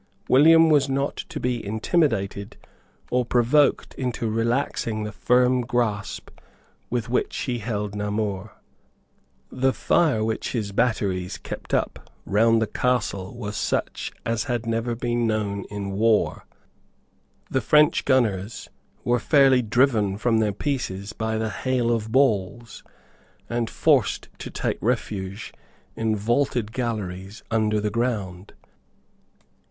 William was not to be intimidated or provoked into relaxing the firm grasp with which he held Namur. The fire which his batteries kept up round the castle was such as had never been known in war. The French gunners were fairly driven from their pieces by the hail of balls, and forced to take refuge in vaulted galleries under the ground.